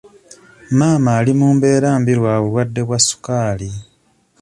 Maama ali mu mbeera mbi lwa bulwadde bwa ssukaali.